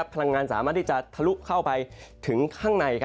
พลังงานสามารถที่จะทะลุเข้าไปถึงข้างใน